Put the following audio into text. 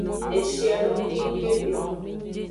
Eshiedo kekede.